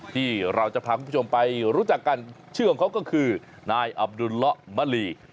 ที่เราจะพาคุณผู้ชมไปรู้จักกันชื่อของเขาก็คือนายอับดุลละมะลี